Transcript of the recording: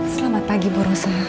selamat pagi bu rosa